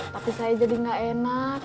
tapi saya jadi nggak enak